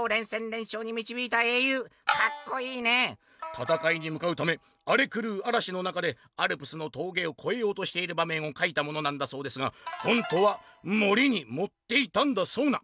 「たたかいにむかうためあれくるうあらしの中でアルプスの峠を越えようとしている場面を描いたものなんだそうですが本当は盛りに盛っていたんだそうな！」。